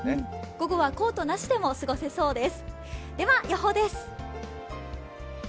午後はコートなしでも過ごせそうです。